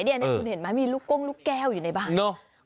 นี่คุณเห็นไหมมีลูกก้งลูกแก้วอยู่ในบ้านเนอะ